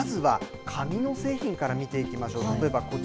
まずは紙の製品から見ていきましょう。